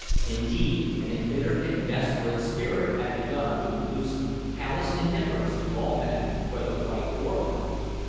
Indeed, an embittered and desperate spirit had begun to induce callous indifference to all men, whether white or black.